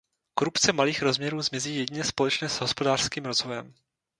Korupce malých rozměrů zmizí jedině společně s hospodářským rozvojem.